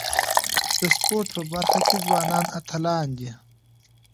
د سپورټ په برخه کي ځوانان اتلان دي.